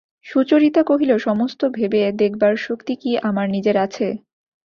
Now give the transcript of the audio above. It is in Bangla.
সুচরিতা কহিল, সমস্ত ভেবে দেখবার শক্তি কি আমার নিজের আছে?